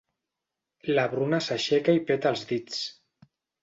La Bruna s'aixeca i peta els dits.